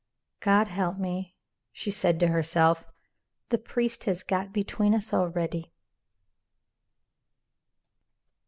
"God help me!" she said to herself; "the priest has got between us already!"